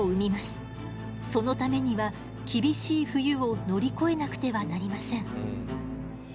そのためには厳しい冬を乗り越えなくてはなりません。